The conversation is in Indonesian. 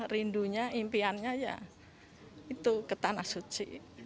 rindunya impiannya ya itu ke tanah suci